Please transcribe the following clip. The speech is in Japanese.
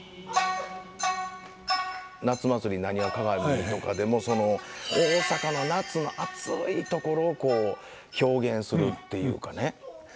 「夏祭浪花鑑」とかでもその大阪の夏の暑いところをこう表現するっていうかね。